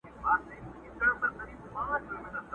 زړه به تش کړم ستا له میني ستا یادونه ښخومه٫